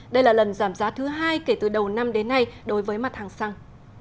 đây là lần giảm giá thứ hai kể từ đầu năm đến nay đối với mặt hàng xăng